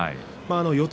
四つ